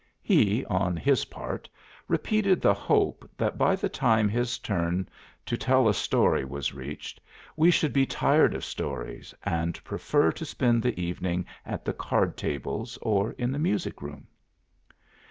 He, on his part, repeated the hope that by the time his turn to tell a story was reached we should be tired of stories and prefer to spend the evening at the card tables or in the music room.